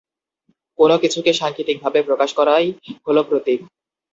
কোন কিছুকে সাংকেতিক ভাবে প্রকাশ করাই হলো প্রতীক।